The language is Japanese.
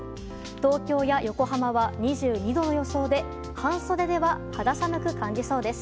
東京や横浜は２２度の予想で半袖では肌寒く感じそうです。